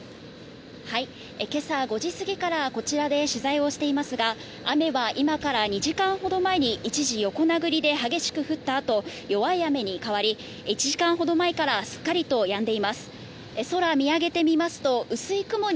今朝５時過ぎからこちらで取材をしていますが、雨は今から２時間ほど前に一時横殴りで激しく降った後、弱い雨に変わり、１時間ほど前からすっかりとやんでいます。